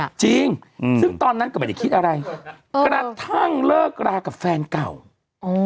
จริงอืมซึ่งตอนนั้นก็ไม่ได้คิดอะไรกระทั่งเลิกรากับแฟนเก่าอ๋อ